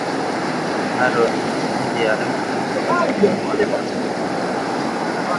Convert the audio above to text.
Mharo wenye majimaji ya rangi nyeusi wakati mwingine huwa na damu